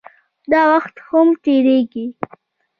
داوخت هم تېريږي